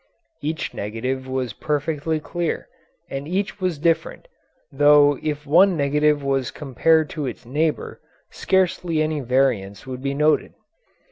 Each negative was perfectly clear, and each was different, though if one negative was compared to its neighbour scarcely any variance would be noted.